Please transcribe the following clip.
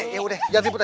ya udah jangan ribut ya